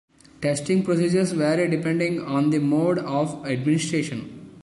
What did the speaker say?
Testing procedures vary depending on the mode of administration.